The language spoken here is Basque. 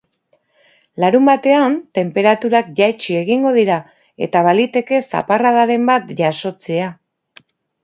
Larunbatean, tenperaturak jaitsi egingo dira eta baliteke zaparradaren bat jasotzea.